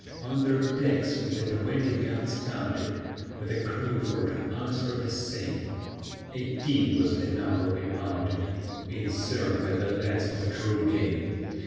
On their decks we the twenty guns counted, With a crew for to answer the same; Eighteen was the number we mounted, Being served by the lads of true game.